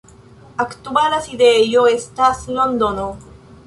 Aktuala sidejo estas Londono.